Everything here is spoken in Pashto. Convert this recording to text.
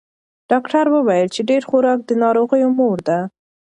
ډاکتر ویل چې ډېر خوراک د ناروغیو مور ده.